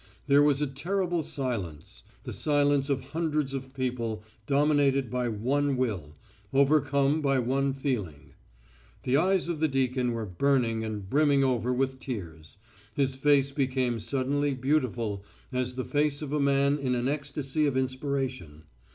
There was a terrible silence, the silence of hundreds of people dominated by one will, overcome by one feeling. The eyes of the deacon were burning and brimming over with tears, his face became suddenly beautiful as the face of a man in an ecstasy of inspiration.